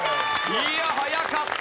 いや早かった！